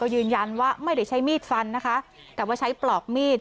ยืนยันว่าไม่ได้ใช้มีดฟันนะคะแต่ว่าใช้ปลอกมีด